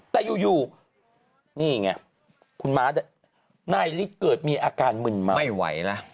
แต่อยู่นี่ไงคุณม้าในลิตรเกิดมีอาการมึนเมา